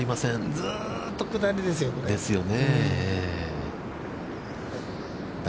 ずっと下りですよ。ですよね。